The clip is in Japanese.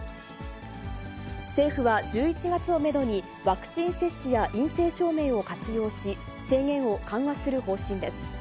政府は１１月をメドに、ワクチン接種や陰性証明を活用し、制限を緩和する方針です。